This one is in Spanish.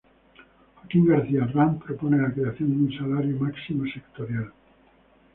Joaquín García Arranz propone la creación de un salario máximo sectorial.